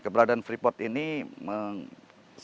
keberadaan brepot ini sangat berpengaruh ke daerah